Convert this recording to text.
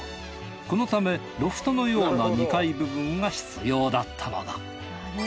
このためロフトのような２階部分が必要だったのだ。